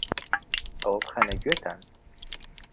ئەوە بخەنە گوێتان